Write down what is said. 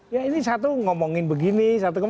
ya ini satu ngomongin begini